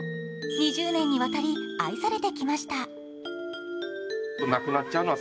２０年にわたり愛されてきました。